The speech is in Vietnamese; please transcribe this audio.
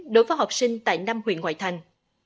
đối với học sinh tại năm huyện ngoại thành